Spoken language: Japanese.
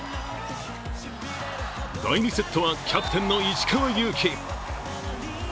第２セットはキャプテンの石川祐希